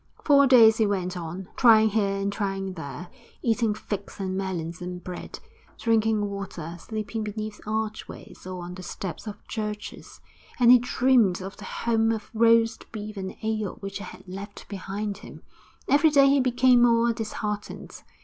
Four days he went on, trying here and trying there, eating figs and melons and bread, drinking water, sleeping beneath archways or on the steps of churches, and he dreamed of the home of roast beef and ale which he had left behind him. Every day he became more disheartened.